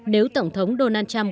nếu tổng thống donald trump